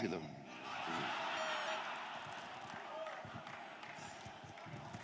gak ada tampang khilafah itu